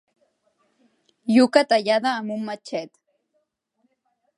Iuca tallada amb un matxet.